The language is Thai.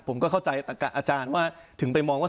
ผมก็เข้าใจอาจารย์ว่าถึงไปมองว่า